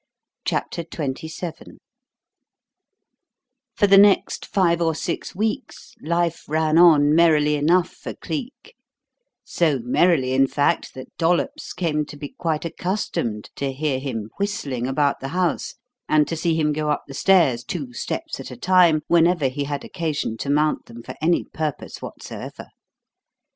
CHAPTER XXVII For the next five or six weeks life ran on merrily enough for Cleek; so merrily, in fact, that Dollops came to be quite accustomed to hear him whistling about the house and to see him go up the stairs two steps at a time whenever he had occasion to mount them for any purpose whatsoever.